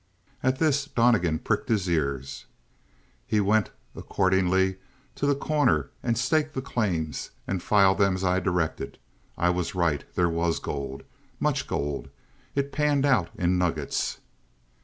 At this Donnegan pricked his ears. "He went, accordingly, to The Corner and staked the claims and filed them as I directed. I was right. There was gold. Much gold. It panned out in nuggets."